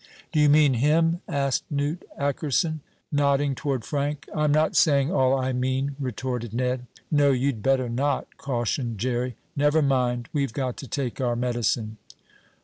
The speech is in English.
"Do you mean him?" asked Newt Ackerson, nodding toward Frank. "I'm not saying all I mean," retorted Ned. "No, you'd better not," cautioned Jerry. "Never mind, we've got to take our medicine."